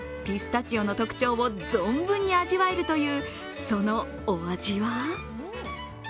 ピスタチオの特徴を存分に味わえるという、そのお味は？